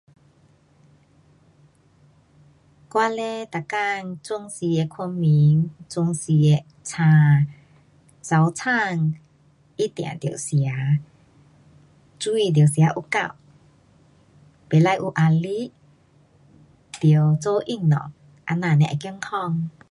我嘞每天准时的睡觉，准时的醒。早晨一定得吃，水得吃有够。不可有压力，得做运动。这样才会健康。